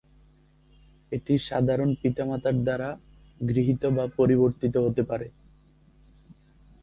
এটি সাধারণ পিতামাতার দ্বারা গৃহীত বা পরিবর্তিত হতে পারে।